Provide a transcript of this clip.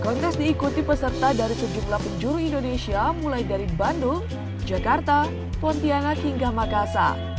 kontes diikuti peserta dari sejumlah penjuru indonesia mulai dari bandung jakarta pontianak hingga makassar